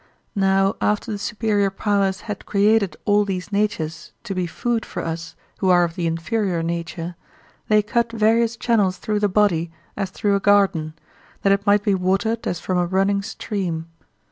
Now after the superior powers had created all these natures to be food for us who are of the inferior nature, they cut various channels through the body as through a garden, that it might be watered as from a running stream.